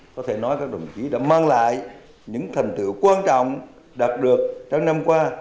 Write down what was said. có thể nói các đồng chí đã mang lại những thành tựu quan trọng đạt được trong năm qua